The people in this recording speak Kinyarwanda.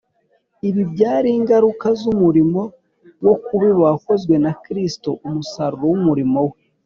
. Ibi byari ingaruka z’umurimo wo kubiba wakozwe na Kristo, umusaruro w’umurimo we.